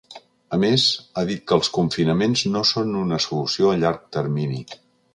A més, ha dit que els confinaments no són una solució a llarg termini.